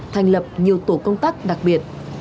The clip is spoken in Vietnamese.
thành lập nhiều tổ công tác đặc biệt